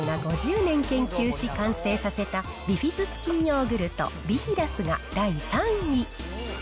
森永乳業が５０年研究し完成させたビフィズス菌ヨーグルト、ビヒダスが第３位。